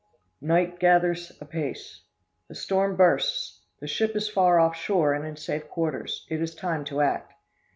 Night gathers apace. The storm bursts the ship is far off shore, and in safe quarters. It is time to act.